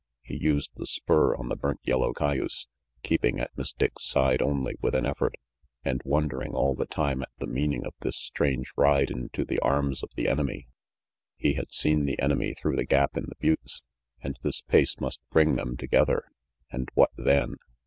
He used the spur on the burnt yellow cayuse, keeping at Miss Dick's side only with an effort, and wondering all the time at the meaning of this strange ride into the arms of the enemy. He had seen the enemy through the gap in the buttes, and this pace must bring them together; and what then?